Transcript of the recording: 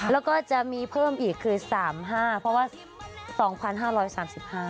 แล้วก็จะมีเพิ่มอีกคือสามห้าเพราะว่าสองพันห้าร้อยสามสิบห้า